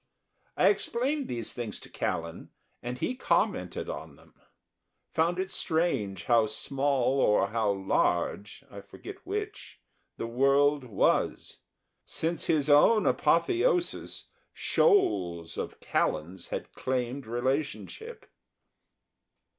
I explained these things to Callan and he commented on them, found it strange how small or how large, I forget which, the world was. Since his own apotheosis shoals of Callans had claimed relationship.